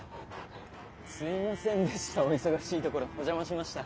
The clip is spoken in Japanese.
すいませんでした。